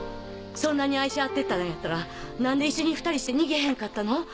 そんなに愛し合ってたんやったらなんで一緒に２人して逃げへんかったの？